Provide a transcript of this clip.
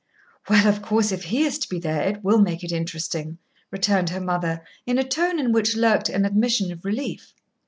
"Well, of course if he is to be there, it will make it interesting," returned her mother, in a tone in which lurked an admission of relief.